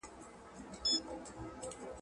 هر ستمګر ته د اغزیو وطن.